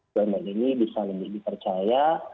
bumn ini bisa lebih dipercaya